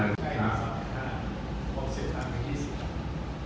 ราคาของเสร็จทางที่๒๐บาท